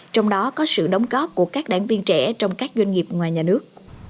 trong đó có sự đóng góp của các đảng viên trẻ trong các doanh nghiệp ngoài nhà nước